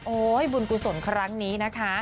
โอ้ยบุญกุโสนครั้งนี้นะคะ